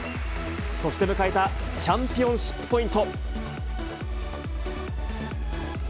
そして迎えたチャンピオンシップポイント。